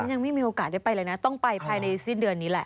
ยังไม่มีโอกาสได้ไปเลยนะต้องไปภายในสิ้นเดือนนี้แหละ